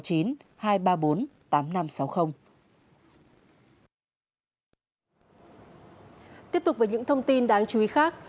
tiếp tục với những thông tin đáng chú ý khác